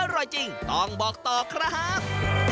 อร่อยจริงต้องบอกต่อครับ